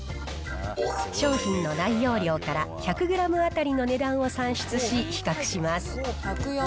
商品の内容量から１００グラム当たりの値段を算出し、比較します。